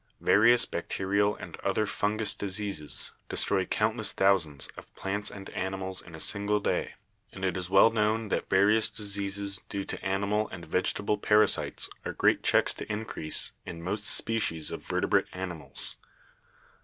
Various bacterial and other fun gous diseases destroy countless thousands of plants and animals in a single day, and it is well known that various diseases due to animal and vegetable parasites are great checks to increase in most species of vertebrate animals.